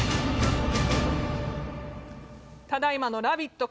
ただいまのラヴィット！